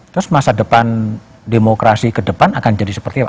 terus masa depan demokrasi ke depan akan jadi seperti apa